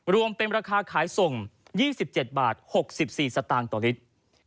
รวมเป็นราคาขายส่ง๒๗บาท๖๔สตางค์ต่อลิตร